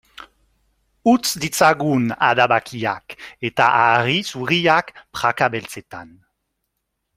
Utz ditzagun adabakiak eta hari zuriak praka beltzetan.